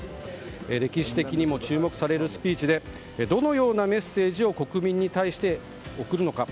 歴史的にも注目されるスピーチでどのようなメッセージを国民に対して送るのか。